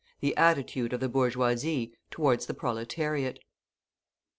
THE ATTITUDE OF THE BOURGEOISIE TOWARDS THE PROLETARIAT.